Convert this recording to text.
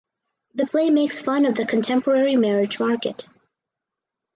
The play makes fun of the contemporary marriage market.